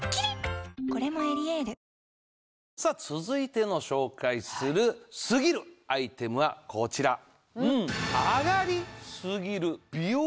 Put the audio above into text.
続いての紹介するすぎるアイテムはこちら。